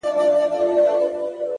هغه چي ژوند يې د روحونو د اروا مالک دی;